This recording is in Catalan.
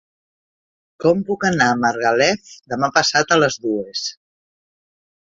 Com puc anar a Margalef demà passat a les dues?